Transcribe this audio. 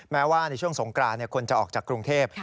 แม้ว่าในช่วงสงกรานคนจะออกจากกรุงเทพ